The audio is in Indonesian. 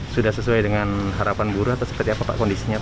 sudah sesuai dengan harapan buruh atau seperti apa pak kondisinya pak